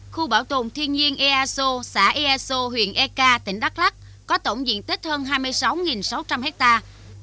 khu bảo tồn thiên nhiên esa xã easo huyện eka tỉnh đắk lắc có tổng diện tích hơn hai mươi sáu sáu trăm linh hectare